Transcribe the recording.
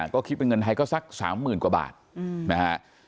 ก็คิดเป็นเงินไทยก็สัก๓๐๐๐กว่าบาทนะฮะ